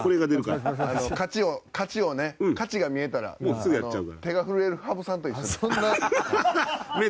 勝ちが見えたら手が震える羽生さんと一緒や。